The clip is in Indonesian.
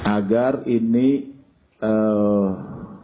agar ini kader dari